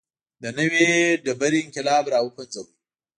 د نوې ډبرې انقلاب راوپنځاوه.